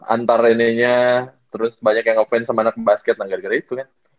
antar ini nya terus banyak yang open sama anak basket nah gara gara itu kan